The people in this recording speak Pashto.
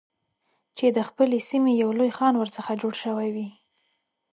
چې د خپلې سیمې یو لوی خان ورڅخه جوړ شوی وي.